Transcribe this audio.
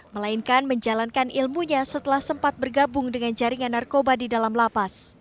melainkan menjalankan ilmunya setelah sempat bergabung dengan jaringan narkoba di dalam lapas